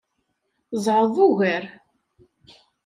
Zɛeḍ ugar.